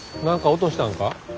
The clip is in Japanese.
何か落としたんか？